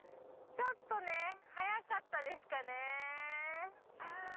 ちょっとね早かったですかね。